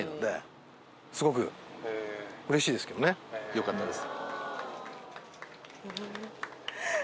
よかったです